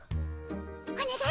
おねがい。